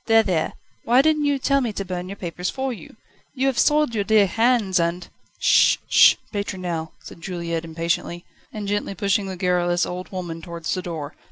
There, there! why didn't you tell me to burn your papers for you? You have soiled your dear hands, and ..." "Sh! Sh! Pétronelle!" said Juliette impatiently, and gently pushing the garrulous old woman towards the door.